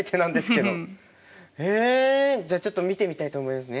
えじゃあちょっと見てみたいと思いますね。